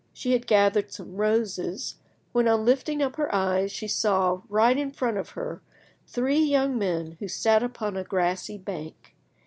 She had gathered some roses, when, on lifting up her eyes, she saw, right in front of her, three young men who sat upon a grassy bank.